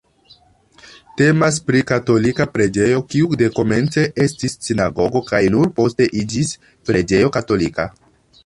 Temas pri katolika preĝejo, kiu dekomence estis sinagogo kaj nur poste iĝis preĝejo katolika.